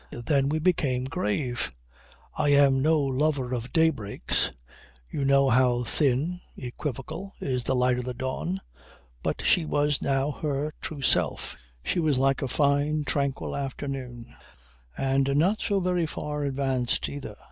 Then we became grave. I am no lover of day breaks. You know how thin, equivocal, is the light of the dawn. But she was now her true self, she was like a fine tranquil afternoon and not so very far advanced either.